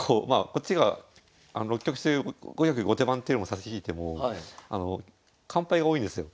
こっちが６局中５局後手番っていうのを差し引いても完敗が多いんですよ。